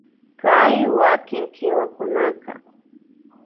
Kay wakin kiwakunaka